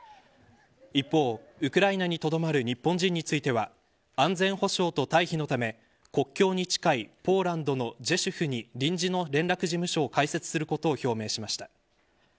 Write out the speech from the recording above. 一方、ウクライナにとどまる日本人については安全保障と退避のため国境に近いポーランドのジェシュフに臨時の連絡事務所を開設することを表明しました。